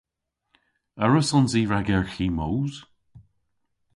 A wrussons i ragerghi moos?